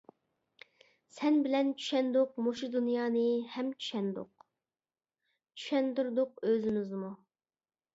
سەن بىلەن چۈشەندۇق مۇشۇ دۇنيانى ھەم چۈشەندۇق، چۈشەندۈردۇق ئۆزىمىزنىمۇ.